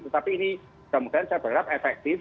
tetapi ini kemudian saya berharap efektif